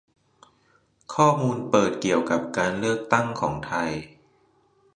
ข้อมูลเปิด เกี่ยวกับการเลือกตั้งของไทย